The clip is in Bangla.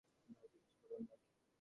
না, জিজ্ঞেস করলাম আরকি!